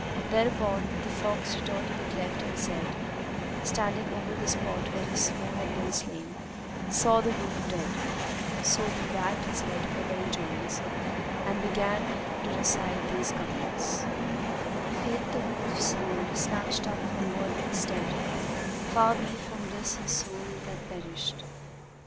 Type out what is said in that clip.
Thereupon the fox returned to that cleft and, standing over the spot where his foe had been slain, saw the wolf dead: so he wagged his head for very joyance and began to recite these couplets, "Fate the Wolf's soul snatched up from wordly stead; * Far be from bliss his soul that perished!